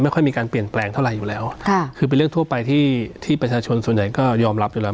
ค่อยมีการเปลี่ยนแปลงเท่าไหร่อยู่แล้วค่ะคือเป็นเรื่องทั่วไปที่ที่ประชาชนส่วนใหญ่ก็ยอมรับอยู่แล้ว